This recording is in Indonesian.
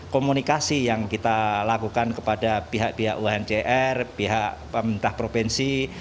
komunikasi yang kita lakukan kepada pihak pihak uncr pihak pemerintah provinsi